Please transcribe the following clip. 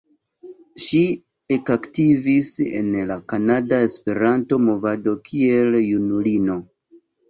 Ŝi ekaktivis en la kanada Esperanto-movado kiel junulino.